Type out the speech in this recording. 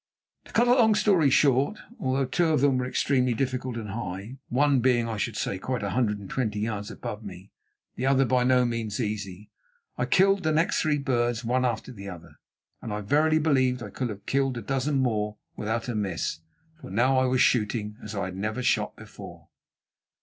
To cut a long story short, although two of them were extremely difficult and high, one being, I should say, quite a hundred and twenty yards above me, and the other by no means easy, I killed the next three birds one after the other, and I verily believe could have killed a dozen more without a miss, for now I was shooting as I had never shot before.